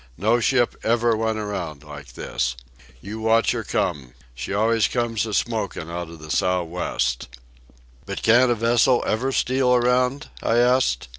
"No ship ever went around like this. You watch her come. She always comes a smoking out of the sou'west." "But can't a vessel ever steal around?" I asked.